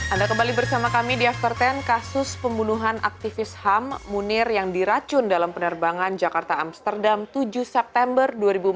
anda kembali bersama kami di after sepuluh kasus pembunuhan aktivis ham munir yang diracun dalam penerbangan jakarta amsterdam tujuh september dua ribu empat belas